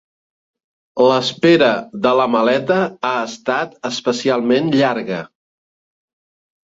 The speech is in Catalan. L'espera de la maleta ha estat especialment llarga.